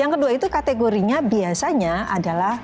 nah sekarang tomar aja makanya pusing makan nih